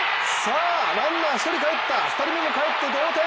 ランナー、１人、かえった２人目もかえって同点。